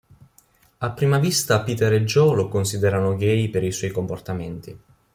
A prima vista Peter e Joe lo considerano gay per i suoi comportamenti.